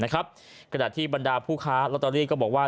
กระดาษที่บรรดาผู้ค้าลอตเตอรี่ก็บอกว่า